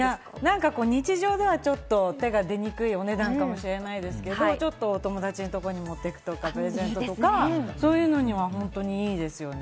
日常ではちょっと手が出にくいお値段かもしれないですけど、お友達のところに持っていくとか、プレゼントとか、そういうのには本当にいいですよね。